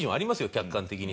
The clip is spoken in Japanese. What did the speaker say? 客観的に。